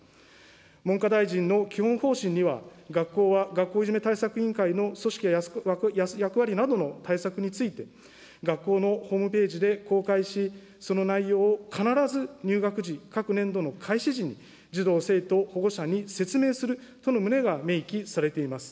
文科大臣の基本方針には、学校は、学校いじめ対策委員会の組織や役割などの対策について、学校のホームページで公開し、その内容を必ず入学時・各年度の開始時に、児童・生徒、保護者に説明するとの旨が明記されています。